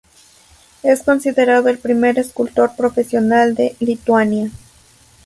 Es considerado el primer escultor profesional de Lituania.